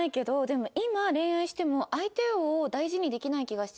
でも今恋愛しても相手を大事にできない気がしちゃって。